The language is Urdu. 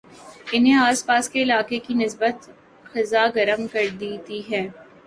انہیں آس پاس کے علاقے کی نسبت خاصا گرم کردیتی ہے